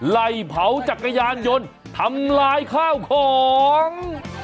ไหล่เผาจักรยานยนต์ทำลายข้าวของ